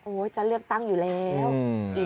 โอ้ยจะเลือกตั้งอยู่แล้วอืม